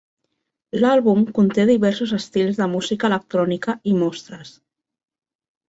L'àlbum conté diversos estils de música electrònica i mostres.